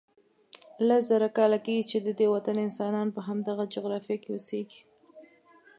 لس زره کاله کېږي چې ددې وطن انسانان په همدغه جغرافیه کې اوسیږي.